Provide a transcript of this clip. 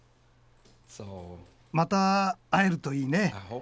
また会えるといいね。